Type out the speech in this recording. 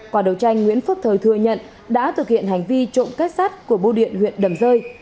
quả đầu tranh nguyễn phước thời thừa nhận đã thực hiện hành vi trộm cách sát của bô điện huyện đầm rơi